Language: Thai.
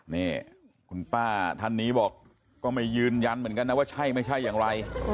นี่คุณป้าท่านนี้บอกก็ไม่ยืนยันเหมือนกันนะว่าใช่ไม่ใช่อย่างไร